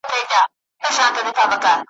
کښتۍ وان چي وه لیدلي توپانونه,